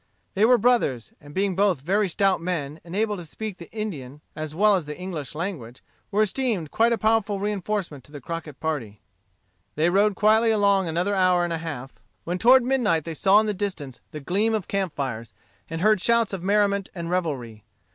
They were brothers, and being both very stout men, and able to speak the Indian as well as the English language, were esteemed quite a powerful reinforcement to the Crockett party. They rode quietly along another hour and a half, when toward midnight they saw in the distance the gleam of camp fires, and heard shouts of merriment and revelry.